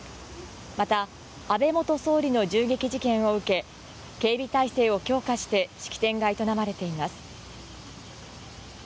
また安倍元総理の銃撃事件を受け、警備体制を強化して式典が営まれています。